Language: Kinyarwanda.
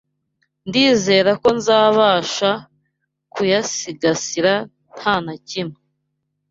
ndizera ko nzabasha kuyasigasira nta na kimwe